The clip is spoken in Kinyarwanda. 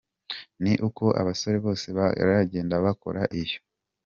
Ni uko abasore bose baragenda bakora iyo.